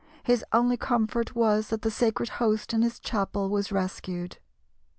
His only comfort was that the sacred Host in his chapel was rescued.